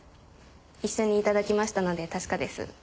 一緒に頂きましたので確かです。